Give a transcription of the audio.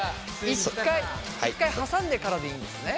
一回はさんでからでいいんですね？